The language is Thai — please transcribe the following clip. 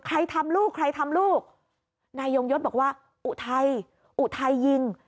ทำลูกใครทำลูกนายยงยศบอกว่าอุทัยอุทัยยิง